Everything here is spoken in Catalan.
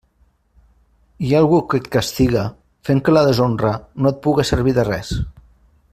Hi ha algú que et castiga, fent que la deshonra no et puga servir de res.